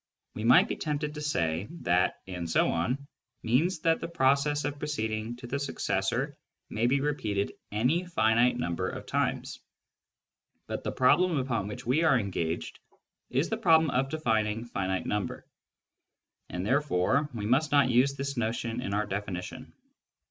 We might be tempted to say that " and so on " means that the process of proceeding to the successor may be repeated any finite number of times ; but the problem upon which we are engaged is the problem of defining " finite number," and therefore we must not use this notion in our defini tion.